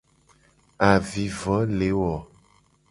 Avivo le wo.